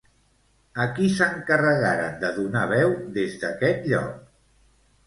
A qui s'encarregaren de donar veu des d'aquest lloc?